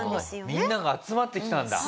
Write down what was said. みんなが集まってきたんだ。